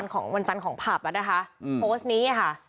ของวันจันทร์ของผับอ่ะนะคะโพสต์นี้ค่ะ